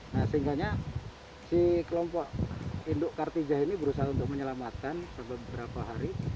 nah sehingganya si kelompok induk kartijah ini berusaha untuk menyelamatkan beberapa hari